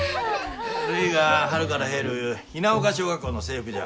るいが春から入る雛丘小学校の制服じゃ。